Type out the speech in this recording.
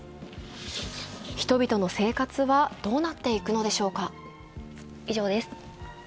人々の生活はどうなっていくのでしょうか。